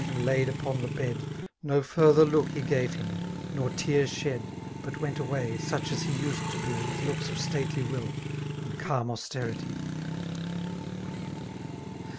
him laid upon the bed> No further look he gav0 him, nor tear shed^ But went.away; such as he used to be, .• With lo<d£s of stately will; and calm austerity.